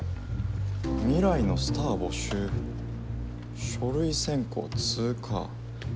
未来のスター募集書類選考通過。